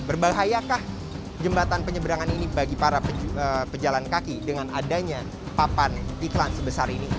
berbahayakah jembatan penyeberangan ini bagi para pejalan kaki dengan adanya papan iklan sebesar ini